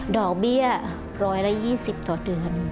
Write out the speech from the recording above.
ดอกเบี้ยร้อยละ๒๐ต่อเดือน